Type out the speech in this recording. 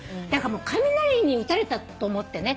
雷に打たれたと思ってね。